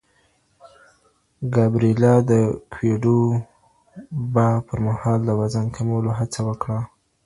ګابرېلا د کووېډ وبا پر مهال د وزن کمولو هڅه وکړه.